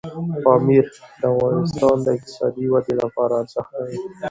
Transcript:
پامیر د افغانستان د اقتصادي ودې لپاره ارزښت لري.